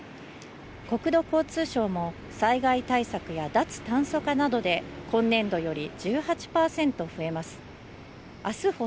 国土交通省も災害対策や脱炭素化などで今年度より１８％増えます。